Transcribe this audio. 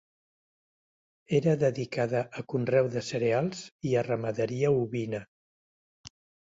Era dedicada a conreu de cereals i a ramaderia ovina.